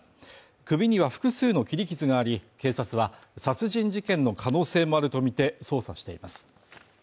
首には複数の切り傷があり、警察は殺人事件の可能性もあるとみて捜査しています。